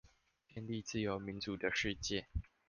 建立自由民主的世界